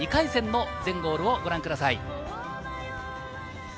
まずは１回戦、２回戦の全ゴールをご覧ください。